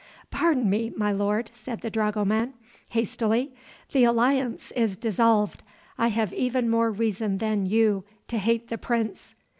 "Pardon me, my lord," said the dragoman, hastily, "the alliance is dissolved. I have even more reason than you to hate the prince."